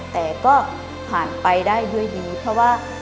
แต่ก็ผ่านไปได้ด้วยดีเพราะว่า